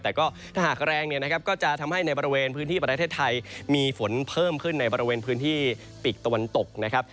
แต่ก็ถ้าหากแรงเนี่ยนะครับก็จะทำให้ในบริเวณพื้นที่ประเทศไทยมีฝนเพิ่มขึ้นในบริเวณพื้นที่ปีกตะวันตกนะครับ